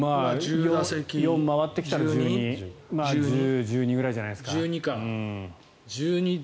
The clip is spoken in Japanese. ４回ってきたら１２ぐらいじゃないですかね。